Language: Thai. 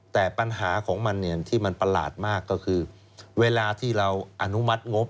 แต่ปัญหาของมันเนี่ยที่มันประหลาดมากก็คือเวลาที่เราอนุมัติงบ